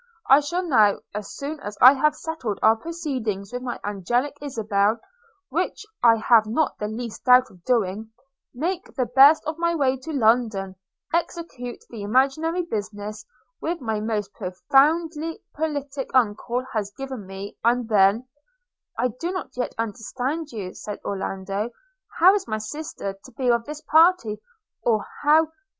I shall now, as soon as I have settled our proceedings with my angelic Isabel, which I have not the least doubt of doing, make the best of my way to London, execute the imaginary business which my most profoundly politic uncle has given me, and then –' 'I do not yet understand you,' said Orlando; 'how is my sister to be of this party, or how